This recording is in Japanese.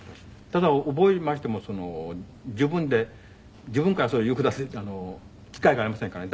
ただ覚えましても自分で自分からそれを言う事は機会がありませんからね